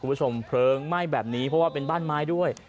คุณผู้ชมเพลิงไหม้แบบนี้เพราะว่าเป็นบ้านไม้ด้วย